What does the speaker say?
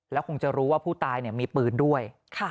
แล้วคงจะรู้ว่าผู้ตายมีปืนด้วย